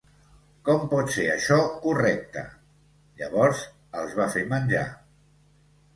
Com pot ser això correcte? Llavors els va fer menjar.